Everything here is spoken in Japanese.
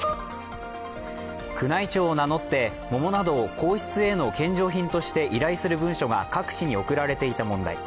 宮内庁を名乗って桃などを皇室への献上品として依頼する文書が各地に送られていた問題。